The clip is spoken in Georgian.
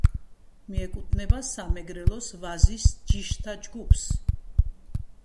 მიეკუთვნება სამეგრელოს ვაზის ჯიშთა ჯგუფს.